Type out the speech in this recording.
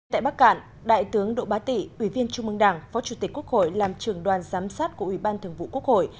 tại bắc cạn đại tướng độ bá tị ủy viên trung mương đảng phó chủ tịch quốc hội làm trường đoàn giám sát của ủy ban thường vụ quốc hội